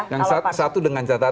yang satu dengan catatan